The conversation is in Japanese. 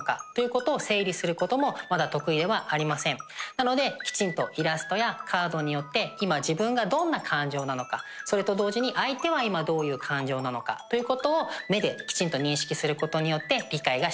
なのできちんとイラストやカードによって今自分がどんな感情なのかそれと同時に相手は今どういう感情なのかということを目できちんと認識することによって理解がしやすくなります。